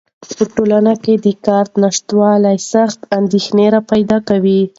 په ټولنه کې د کار نشتوالی سختې اندېښنې راپیدا کوي.